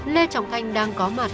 lê trọng thành đang có mặt